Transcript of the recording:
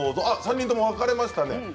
あっ３人とも分かれましたね。